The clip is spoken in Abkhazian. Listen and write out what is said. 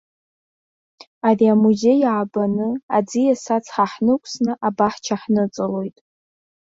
Ари амузеи аабаны, аӡиас ацҳа ҳнықәсны абаҳча ҳныҵалоит.